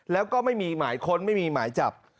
แล้วก็ไม่มีหมายค้นไม่มีหมายจับ